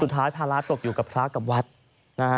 สุดท้ายภาระตกอยู่กับพระกับวัดนะฮะ